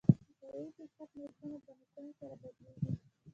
د هوایي ټکټ نرخونه د موسم سره بدلېږي.